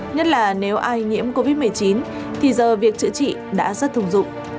nhất là nếu ai nhiễm covid một mươi chín thì giờ việc chữa trị đã rất thông dụng